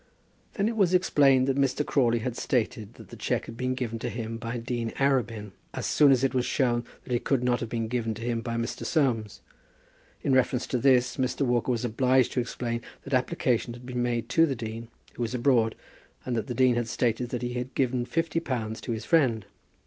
Then it was explained that Mr. Crawley had stated that the cheque had been given to him by Dean Arabin, as soon as it was shown that it could not have been given to him by Mr. Soames. In reference to this, Mr. Walker was obliged to explain that application had been made to the dean, who was abroad, and that the dean had stated that he had given fifty pounds to his friend.